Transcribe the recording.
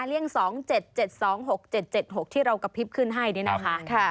เลี่ยง๒๗๗๒๖๗๗๖ที่เรากระพริบขึ้นให้นี่นะคะ